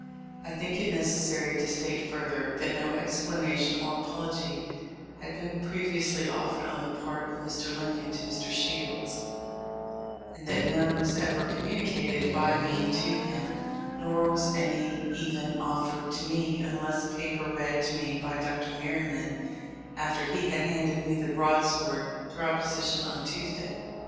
I think it necessary to state further, that no explanation or apology had been previously offered on the part of Mr. Lincoln to Mr. Shields, and that none was ever communicated by me to him, nor was any even offered to me, unless a paper read to me by Dr. Merryman after he had handed me the broadsword proposition on Tuesday.